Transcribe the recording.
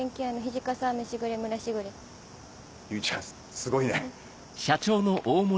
すごいね！